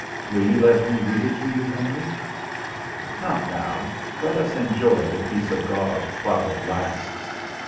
Will you let me read it to you, Henry?" "Not now; let us enjoy the peace of God while it lasts."